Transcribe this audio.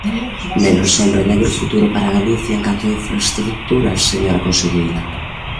Negra sombra e negro futuro para Galicia en canto a infraestruturas, señora conselleira.